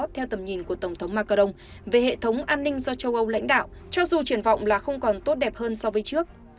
theo tầm nhìn của tổng thống macron về hệ thống an ninh do châu âu lãnh đạo cho dù triển vọng là không còn tốt đẹp hơn so với trước